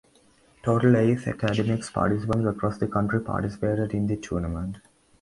Total eighth academics participants across the country participated in the tournament.